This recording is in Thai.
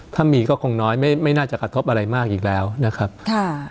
ถ้ามีก็คงน้อยไม่ไม่น่าจะกระทบอะไรมากอีกแล้วนะครับค่ะ